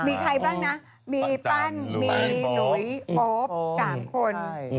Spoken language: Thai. มีใครบ้างมีพั้นน้วยโอปต้องสามคน